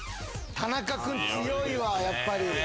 田中君強いわやっぱり。